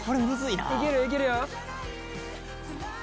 いけるよいけるよ。